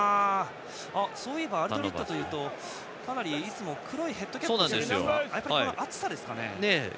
そういえばアルドリットというとかなりいつも黒いヘッドキャップをしていましたがこの暑さですかね。